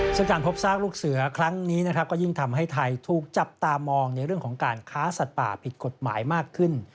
ซึ่งการพบซากลูกเสือครั้งนี้นะครับก็ยิ่งทำให้ไทยถูกจับตามองในเรื่องของการค้าสัตว์ป่าผิดกฎหมายมากขึ้น